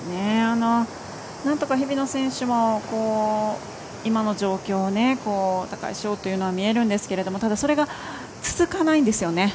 なんとか日比野選手も今の状況を打開しようというのは見えるんですが、それが続かないんですよね。